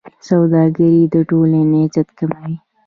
سوالګري د ټولنې عزت کموي.